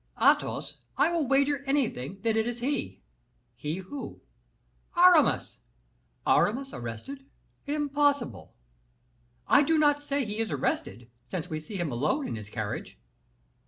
"Athos, I will wager anything that it is he." "He, who?" "Aramis." "Aramis arrested? Impossible!" "I do not say he is arrested, since we see him alone in his carriage."